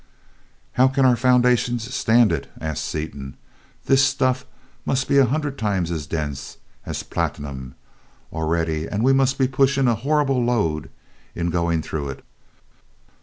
"How can our foundations stand it?" asked Seaton. "This stuff must be a hundred times as dense as platinum already, and we must he pushing a horrible load in going through it."